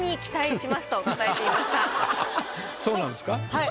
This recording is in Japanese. はい。